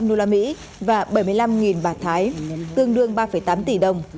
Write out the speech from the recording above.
một trăm năm mươi năm trăm linh usd và bảy mươi năm bạc thái tương đương ba tám tỷ đồng